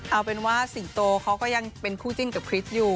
เอาเป็นว่าสิงโตเขาก็ยังเป็นคู่จิ้นกับคริสอยู่